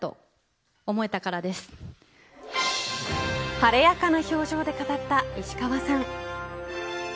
晴れやかな表情で語った石川さん。